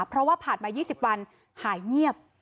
เพราะว่าผ่านมา๒๐วันหายเงียบ